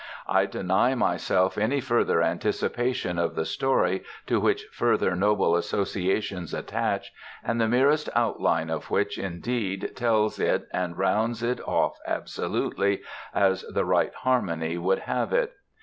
I deny myself any further anticipation of the story to which further noble associations attach, and the merest outline of which indeed tells it and rounds it off absolutely as the right harmony would have it.